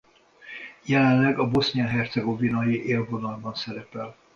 Jelenleg a bosznia-hercegovinai élvonalban szerepel.